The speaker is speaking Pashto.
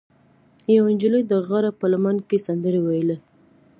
یوه نجلۍ د غره په لمن کې سندرې ویلې.